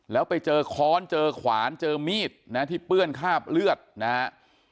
แล้วไปเจอค้อนเจอขวานเจอมีดนะที่เปื้อนคราบเลือดนะฮะ